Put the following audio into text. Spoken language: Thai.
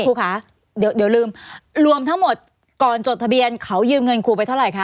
ครูคะเดี๋ยวลืมรวมทั้งหมดก่อนจดทะเบียนเขายืมเงินครูไปเท่าไหร่คะ